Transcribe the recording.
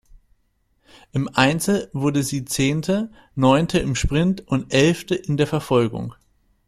Im Einzel wurde sie Zehnte, Neunte im Sprint und Elfte in der Verfolgung.